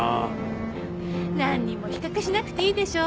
何も比較しなくていいでしょ。